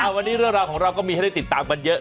วันนี้เรื่องราวของเราก็มีให้ได้ติดตามกันเยอะ